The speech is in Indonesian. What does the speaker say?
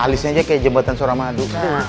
alisnya aja kayak jembatan suramadu